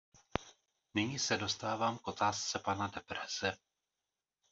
Nyní se dostávám k otázce pana Depreze.